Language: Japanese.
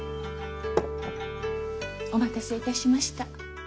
お待たせいたしました。